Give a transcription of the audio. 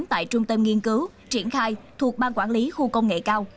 tại trung tâm nghiên cứu triển khai thuộc ban quản lý khu công nghệ cao